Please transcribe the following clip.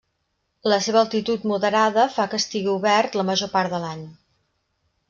La seva altitud moderada fa que estigui obert la major part de l'any.